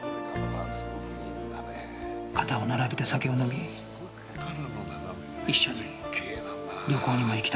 肩を並べて酒を飲み一緒に旅行にも行きたかった。